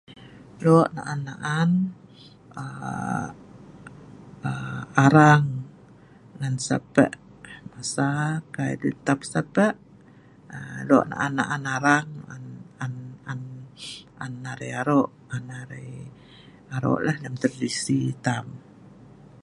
lok na'an na'an um um arang ngan sape masa kai lun tap sape um lok na'an na'an arang an an an aan arai arok aan arai arok la lem tradisi tam